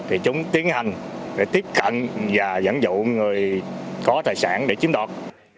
thì chúng tiến hành để tiếp cận và dẫn dụ người có tài sản để chiếm đoạt